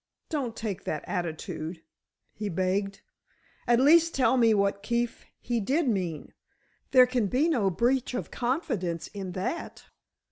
"Don't take that attitude," he begged. "At least tell me what Keefe he did mean. There can be no breach of confidence in that."